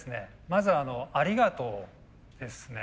まずはありがとうですね。